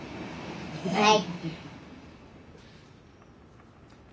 はい。